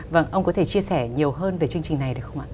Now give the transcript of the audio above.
vâng ông có thể chia sẻ nhiều hơn về chương trình này được không ạ